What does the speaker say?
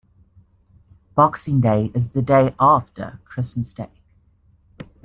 Boxing Day is the day after Christmas Day.